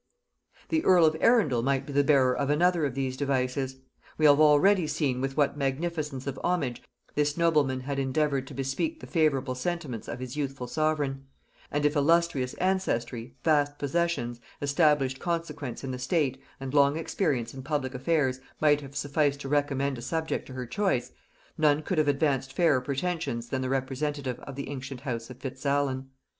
The earl of Arundel might be the bearer of another of these devices. We have already seen with what magnificence of homage this nobleman had endeavoured to bespeak the favorable sentiments of his youthful sovereign; and if illustrious ancestry, vast possessions, established consequence in the state, and long experience in public affairs, might have sufficed to recommend a subject to her choice, none could have advanced fairer pretensions than the representative of the ancient house of Fitzalan.